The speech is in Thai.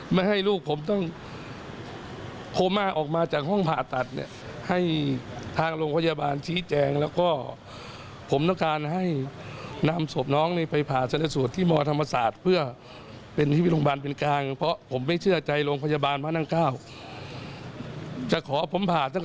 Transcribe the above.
มาฟังสิคุณพ่อหน่อยค่ะ